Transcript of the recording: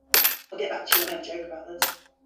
I'll get back to you when I have a joke about this.